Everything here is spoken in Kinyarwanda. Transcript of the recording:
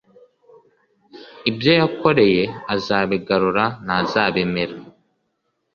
ibyo yakoreye azabigarura ntazabimira,